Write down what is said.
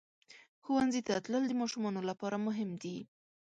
ښوونځي ته تلل د ماشومانو لپاره مهم دي.